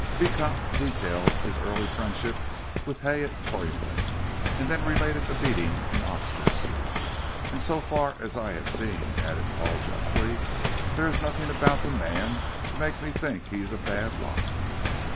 Beecot detailed his early friendship with Hay at Torrington, and then related the meeting in Oxford Street. "And so far as I have seen," added Paul, justly, "there's nothing about the man to make me think he is a bad lot."